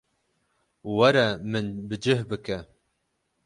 Were min bi cih bike.